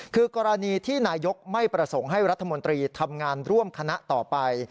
คือกรณีที่นายกไม่ประสงค์ให้รัฐมนตรีทำงานร่วมคณะต่อไป